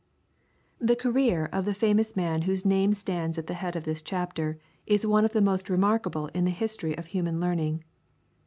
] The career of the famous man whose name stands at the head of this chapter is one of the most remarkable in the history of human learning.